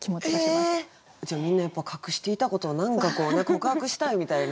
じゃあみんなやっぱ隠していたことを何か告白したいみたいな。